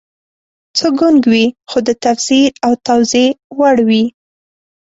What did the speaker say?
څه ګونګ وي خو د تفسیر او توضیح وړ وي